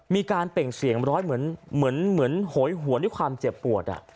เปล่งเสียงร้อยเหมือนโหยหวนด้วยความเจ็บปวด